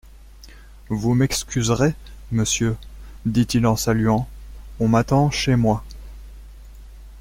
Vous m'excuserez, monsieur, dit-il en saluant, on m'attend chez moi.